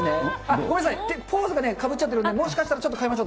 ごめんなさい、ポーズがかぶっちゃってるんで、もしかしたら、変えましょう。